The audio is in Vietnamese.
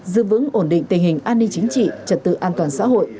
giữ vững ổn định tình hình an ninh chính trị trật tự an toàn xã hội